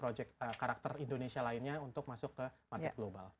launch projek projek karakter indonesia lainnya untuk masuk ke market global